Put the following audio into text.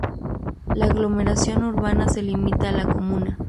La aglomeración urbana se limita a la comuna.